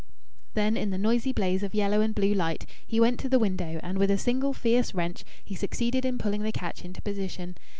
Then in the noisy blaze of yellow and blue light he went to the window and with a single fierce wrench he succeeded in pulling the catch into position.